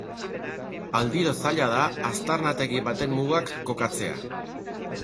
Aldiro zaila da aztarnategi baten mugak kokatzea.